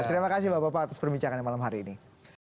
terima kasih bapak bapak atas perbincangannya malam hari ini